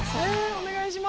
お願いします。